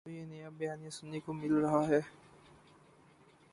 تو یہ نیا بیانیہ سننے کو مل رہا ہے۔